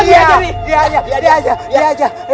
dia aja dia aja